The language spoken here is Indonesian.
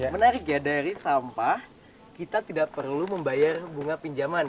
menarik ya dari sampah kita tidak perlu membayar bunga pinjaman